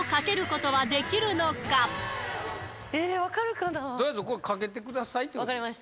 とりあえずこれかけてくださ分かりました。